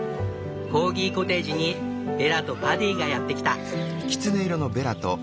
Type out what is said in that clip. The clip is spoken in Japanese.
コーギコテージにベラとパディがやってきた。